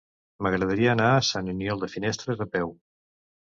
M'agradaria anar a Sant Aniol de Finestres a peu.